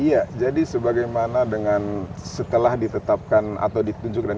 iya jadi sebagaimana dengan setelah ditetapkan atau ditunjukkan